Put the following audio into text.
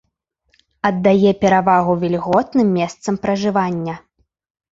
Аддае перавагу вільготным месцам пражывання.